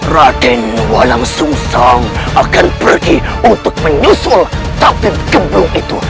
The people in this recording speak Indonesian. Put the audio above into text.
raden walang sung sang akan pergi untuk menyusul takdir kembung itu